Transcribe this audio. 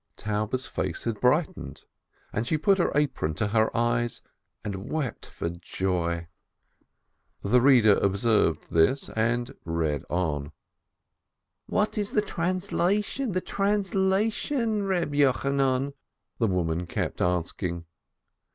Taube's face had brightened, she put her apron to her eyes and wept for joy. The reader observed this and read on. 34 526 ASCH "What is the translation, the translation, Eeb Yocha nan?" the woman kept on asking.